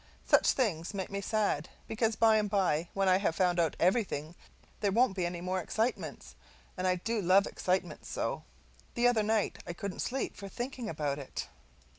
Such things make me sad; because by and by when I have found out everything there won't be any more excitements, and I do love excitements so! The other night I couldn't sleep for thinking about it.